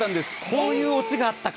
こういうおちがあったか。